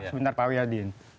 sebentar pak wiyadin